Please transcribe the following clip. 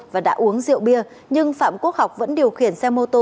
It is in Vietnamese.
và đã uống rượu bia nhưng phạm quốc học vẫn điều khiển xe mô tô